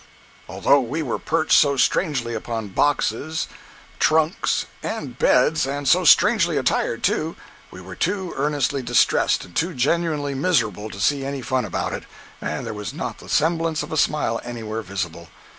Although we were perched so strangely upon boxes, trunks and beds, and so strangely attired, too, we were too earnestly distressed and too genuinely miserable to see any fun about it, and there was not the semblance of a smile anywhere visible.